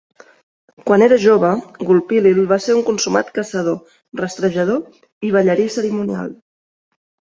Quan era jove, Gulpilil va ser un consumat caçador, rastrejador i ballarí cerimonial.